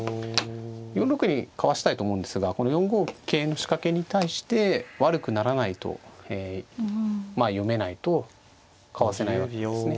４六銀かわしたいと思うんですがこの４五桂の仕掛けに対して悪くならないとえまあ読めないとかわせないわけですね。